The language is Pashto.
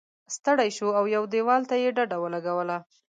ستړی شو او یوه دیوال ته یې ډډه ولګوله.